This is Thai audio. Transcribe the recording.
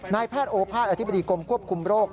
นายพาดโอภาคอธิบดีกรมควบคุมโรค